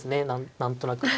何となく。